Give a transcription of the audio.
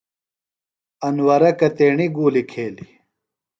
انورہ کتیݨیۡ گُولیۡ کھیلیۡ؟